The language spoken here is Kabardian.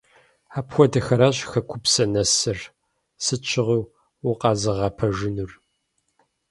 Апхуэдэхэращ хэкупсэ нэсыр, сыт щыгъуи укъэзыгъэпэжынур.